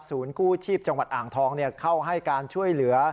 กู้ชีพจังหวัดอ่างทองเข้าให้การช่วยเหลือ